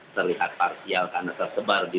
terlihat parsial karena tersebar di